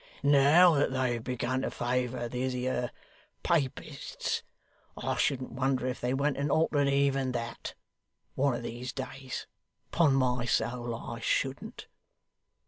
Now that they've begun to favour these here Papists, I shouldn't wonder if they went and altered even THAT, one of these days. Upon my soul, I shouldn't.